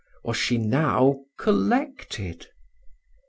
was she now collected?